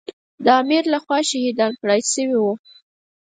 د امیر له خوا شهیدان کړای شوي وو.